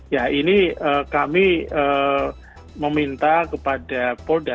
ya ini kami meminta kepada polda